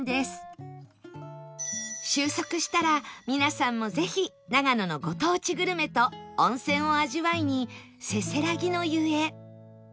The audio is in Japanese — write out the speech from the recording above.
収束したら皆さんもぜひ長野のご当地グルメと温泉を味わいにせせらぎの湯へ